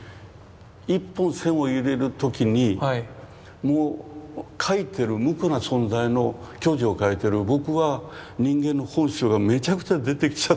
一本線を入れる時にもう描いてる無垢な存在の巨樹を描いてる僕は人間の本性がめちゃくちゃ出てきちゃってるんですよ。